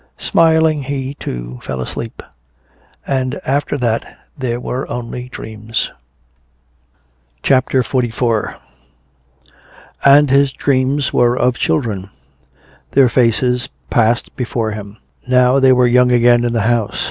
Smiling he, too, fell asleep. And after that there were only dreams. CHAPTER XLIV And his dreams were of children. Their faces passed before him. Now they were young again in the house.